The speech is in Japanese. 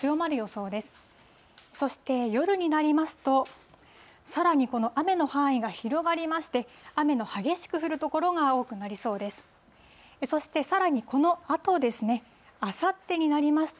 そして、夜になりますと、さらにこの雨の範囲が広がりまして、雨の激しく降る所が多くなりそうです。